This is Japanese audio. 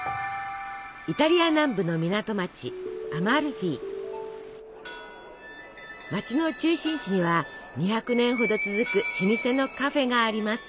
イタリア南部の港町街の中心地には２００年ほど続く老舗のカフェがあります。